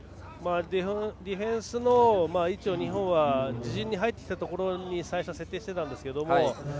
ディフェンスの位置を日本は自陣に入ってきたところに最初、設定していたんですが。